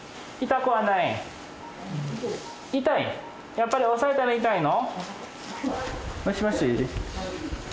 やっぱり押さえたら痛いの？